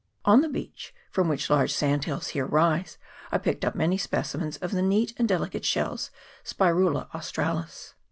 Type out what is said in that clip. On the beach, from which large sand hills here rise, I picked up many specimens of the neat and delicate shells Spirula australis.